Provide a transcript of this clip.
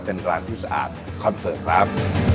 เป็นร้านที่สะอาดคอนเสิร์ตครับ